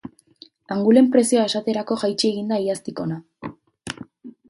Angulen prezioa esaterako jaitsi egin da iaztik hona.